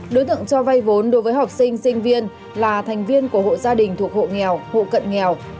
đối tượng cho vay vốn đối với học sinh sinh viên là thành viên của hộ gia đình thuộc hộ nghèo hộ cận nghèo